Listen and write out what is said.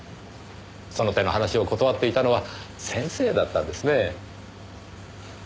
その手の話を断っていたのは先生だったんですね。